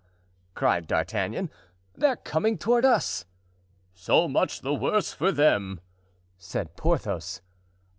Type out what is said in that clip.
cried D'Artagnan, "they're coming toward us." "So much the worse for them," said Porthos.